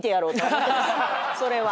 それは。